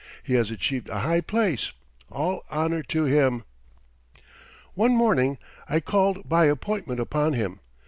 He has achieved a high place. All honor to him!] One morning I called by appointment upon him.